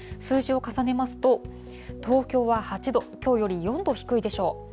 数字を重ねますと、東京は８度、きょうより４度低いでしょう。